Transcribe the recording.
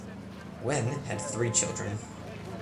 Wen had three children.